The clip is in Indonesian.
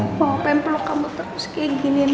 mama pengen peluk kamu terus kayak begini nino